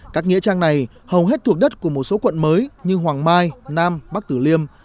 các nghĩa trang này hầu hết thuộc đất của một số quận mới như hoàng mai nam bắc tử liêm